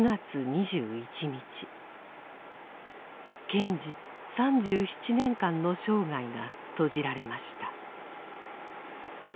賢治３７年間の生涯が閉じられました。